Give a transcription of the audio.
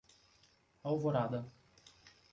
Alvorada